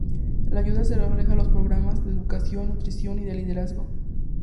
La ayuda se refleja en los programas de educación, nutrición y de liderazgo.